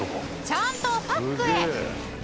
ちゃんとパックへ